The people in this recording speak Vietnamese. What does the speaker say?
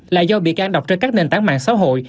là do bị can đọc trên các nền tảng mạng xã hội